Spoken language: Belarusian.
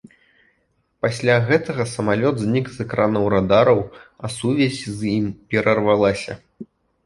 Пасля гэтага самалёт знік з экранаў радараў, а сувязь з ім перарвалася.